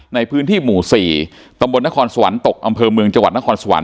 ในพื้นที่หมู่๔ตำบลนครสวรรค์ตกอำเภอเมืองจังหวัดนครสวรรค